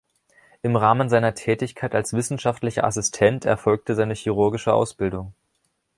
Im Rahmen seiner Tätigkeit als wissenschaftlicher Assistent erfolgte seine chirurgische Ausbildung.